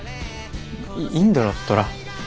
インドのトラ。